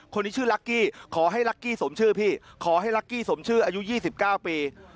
คนนี้ชื่อลักกี้ขอให้ลักกี้สมชื่อพี่ขอให้ลักกี้สมชื่ออายุ๒๙ปี